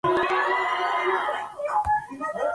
Bocskai's sudden death gave rise to rumours.